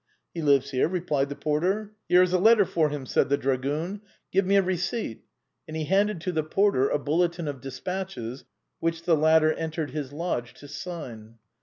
" He lives here," replied the porter. " Here is a letter for him," said the dragoon ;" give me a receipt;" and he handed to the porter a bulletin of des patches, which the latter entered his lodge to sign.